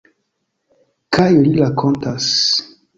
Kaj li rakontas.